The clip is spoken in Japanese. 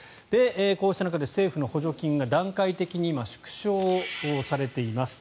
こうした中で政府の補助金が段階的に縮小されています。